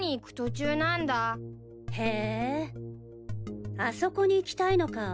へえあそこに行きたいのか。